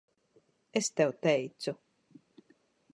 Es tev teicu.